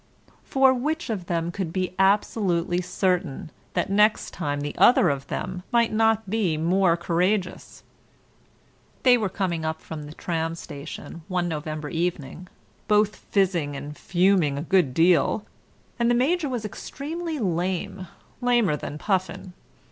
For which of them could be absolutely certain that next time the other of them might not be more courageous? ... They were coming up from the tram station one November evening, both fizzing and fuming a good deal, and the Major was extremely lame, lamer than Puffin.